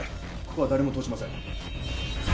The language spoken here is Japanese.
ここは誰も通しません。